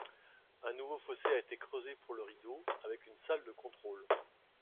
Un nouveau fossé a été creusé pour le rideau, avec une salle de contrôle.